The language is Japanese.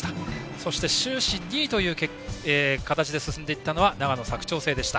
そして、終始２位という形で進んでいったのが長野・佐久長聖でした。